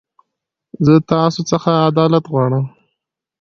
زه تاسو خڅه عدالت غواړم.